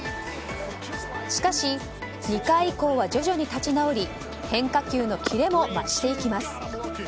しかし２回以降は徐々に立ち直り変化球のキレも増していきます。